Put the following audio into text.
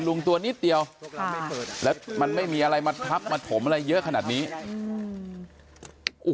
ลุงตัวนิดเดียวแล้วมันไม่มีอะไรมาทับมาถมอะไรเยอะขนาดนี้อืม